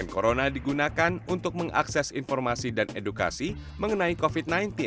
corona digunakan untuk mengakses informasi dan edukasi mengenai covid sembilan belas